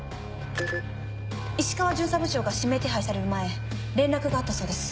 石川巡査部長が指名手配される前連絡があったそうです。